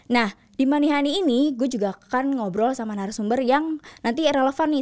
nah di manihani ini gue juga akan ngobrol sama arah sumber yang nanti relevan nih